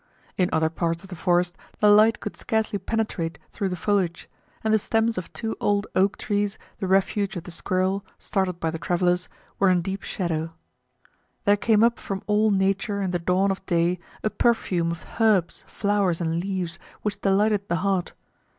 In other parts of the forest the light could scarcely penetrate through the foliage, and the stems of two old oak trees, the refuge of the squirrel, startled by the travelers, were in deep shadow. There came up from all nature in the dawn of day a perfume of herbs, flowers and leaves, which delighted the heart.